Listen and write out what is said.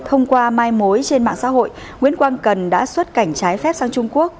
thông qua mai mối trên mạng xã hội nguyễn quang cần đã xuất cảnh trái phép sang trung quốc